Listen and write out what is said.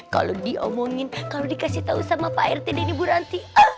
kalau diomongin kalau dikasih tahu sama pak rt dan ibu ranti